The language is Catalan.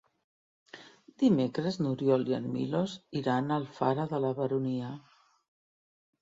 Dimecres n'Oriol i en Milos iran a Alfara de la Baronia.